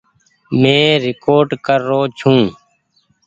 مين ريڪوڊ ڪر رو ڇون۔